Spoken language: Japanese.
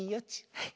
はい。